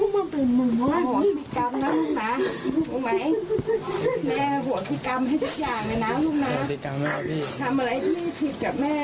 น้องชายเอ็มก็มาลูกม้าทำอะไรที่ไม่ผิดกับแม่